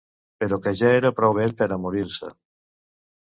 Però que ja era prou vell pera morir-se